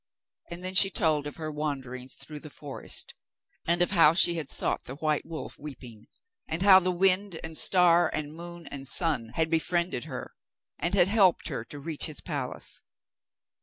And then she told of her wanderings through the forest; and of how she had sought the white wolf weeping; and how the wind and star and moon and sun had befriended her, and had helped her to reach his palace.